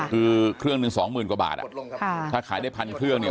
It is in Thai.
คือเครื่องหนึ่ง๒๐๐๐๐กว่าบาทถ้าขายได้๑๐๐๐เครื่องเนี่ย